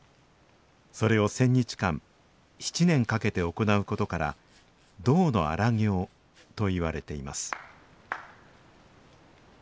それを１０００日間７年かけて行うことから「動の荒行」といわれています